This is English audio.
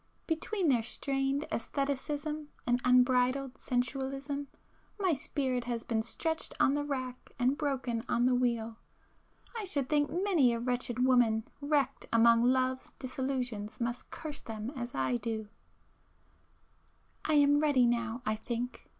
Between their strained æstheticism and unbridled sensualism, my spirit has been stretched on the rack and broken on the wheel, ... I should think many a wretched woman wrecked among love's disillusions must curse them as I do! ····· I am ready now, I think.